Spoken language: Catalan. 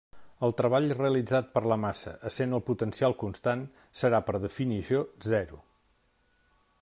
El treball realitzat per la massa, essent el potencial constant, serà, per definició, zero.